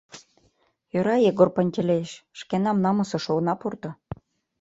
— Йӧра, Егор Пантелеич, шкенам намысыш она пурто.